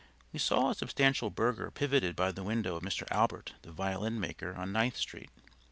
We saw a substantial burgher pivoted by the window of Mr. Albert, the violin maker, on Ninth Street.